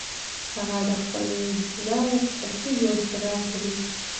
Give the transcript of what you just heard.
هغه له خپل ځایه پاڅېږي او څراغ بلوي.